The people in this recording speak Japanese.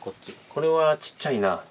これはちっちゃいな。